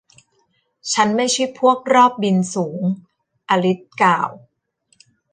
ฉันไม่ใช่พวกรอบบินสูง อลิซกล่าว